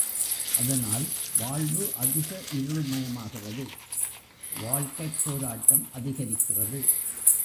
அதனால் வாழ்வு அதிக இருள்மயமாகிறது வாழ்க்கைப் போராட்டம் அதிகரிக்கிறது.